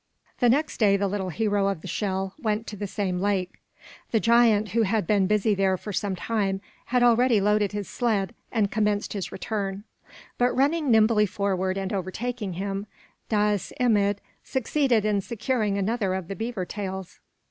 The next day the little hero of the shell went to the same lake. The giant, who had been busy there for some time, had already loaded his sled and commenced his return; but running nimbly forward and overtaking him, Dais Imid succeeded in securing another of the heaver tails.